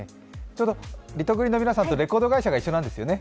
リトグリの皆さんとレコード会社が一緒なんですよね。